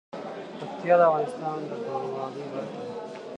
پکتیا د افغانستان د بڼوالۍ برخه ده.